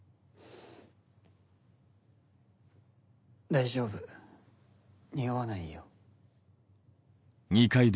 大丈夫臭わないよ。